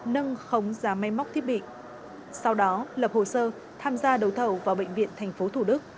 nâng khống giá may móc thiết bị sau đó lập hồ sơ tham gia đấu thầu vào bệnh viện tp thủ đức